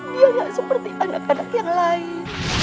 dia nggak seperti anak anak yang lain